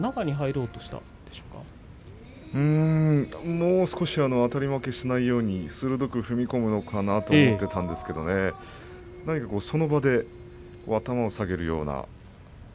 うーんもう少しあたり負けしないように鋭く踏み込むのかなと思っていたんですけれども何かその場で頭を下げるような。